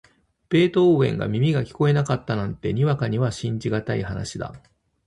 ベートーヴェンが耳が聞こえなかったなんて、にわかには信じがたい話だ。